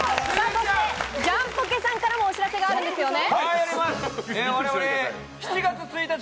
ジャンポケさんからもお知らせがあるんですよね。